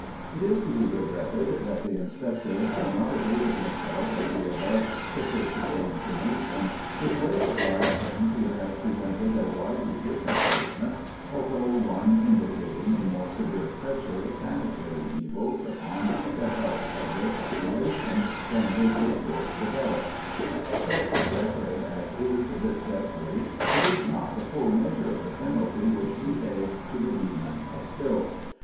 It is to be regretted that the inspector had not availed himself of the above statistical information, which would have obliged him to have presented a widely different statement, although one indicating a more severe pressure of sanitary evils, upon the health of their population, than his report develops." [Sidenote: Constant Sickness] But excessive as is this death rate, it is not the full measure of the penalty which we pay to the demon of filth.